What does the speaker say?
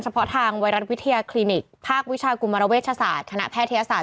เฉพาะทางไวรัสวิทยาคลินิกภาควิชากลุมระเวทยศาสตร์